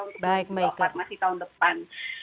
untuk kompetisi doktor masih tahun depan